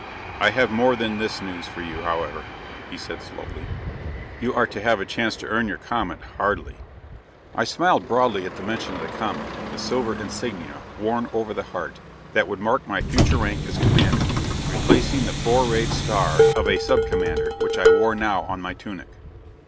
"I have more than this news for you, however," he said slowly. "You are to have a chance to earn your comet hardly." I smiled broadly at the mention of the comet, the silver insignia, worn over the heart, that would mark my future rank as commander, replacing the four rayed star of a sub commander which I wore now on my tunic.